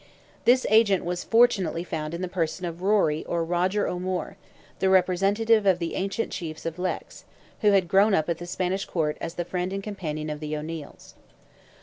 This agent was fortunately found in the person of Rory or Roger O'Moore, the representative of the ancient chiefs of Leix, who had grown up at the Spanish Court as the friend and companion of the O'Neils.